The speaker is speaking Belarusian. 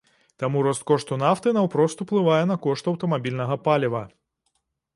Таму рост кошту нафты наўпрост уплывае на кошт аўтамабільнага паліва.